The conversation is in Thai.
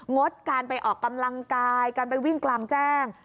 งดการไปออกกำลังกายการไปวิ่งกลางแจ้ง